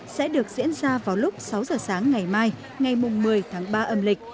sẽ được diễn ra vào lúc sáu giờ sáng ngày mai ngày một mươi tháng ba âm lịch